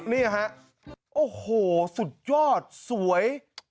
นี่ฮะโอ้โหสุดยอดสวย